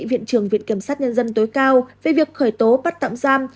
viện trưởng viện kiểm sát nhân dân tối cao về việc khởi tố bắt tạm giam